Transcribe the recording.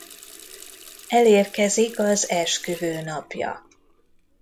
Elérkezik az esküvő napja.